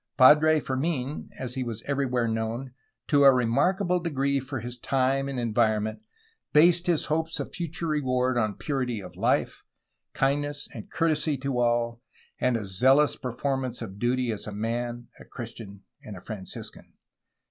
. Padre Fermin — as he was everywhere known — to a remarkable degree for his time and environment based his hopes of future reward on purity of life, kindness, and courtesy to all, and a zealous performance of duty as a man, a Christian, and a Franciscan."